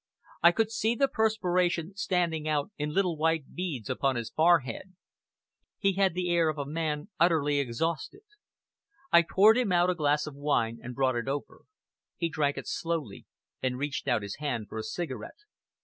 I could see the perspiration standing out in little white beads upon his forehead; he had the air of a man utterly exhausted. I poured him out a glass of wine, and brought it over. He drank it slowly, and reached out his hand for a cigarette.